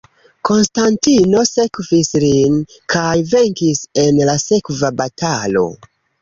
Konstantino sekvis lin, kaj venkis en la sekva batalo.